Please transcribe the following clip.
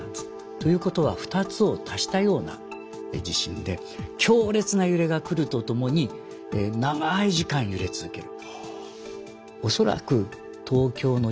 ということは２つを足したような地震で強烈な揺れが来るとともに長い時間揺れ続ける。